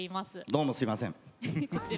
どうもすみません。